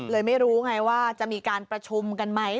ไม่รู้ไงว่าจะมีการประชุมกันไหม